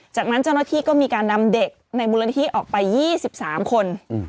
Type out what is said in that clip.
จากนั้นเจ้าหน้าที่ก็มีการนำเด็กในมูลนิธิออกไป๒๓คน